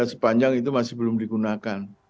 dan sepanjang itu masih belum digunakan